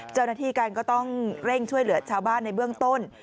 เจ้าหน้าที่กันก็ต้องเร่งช่วยเหลือชาวบ้านในเบื้องต้น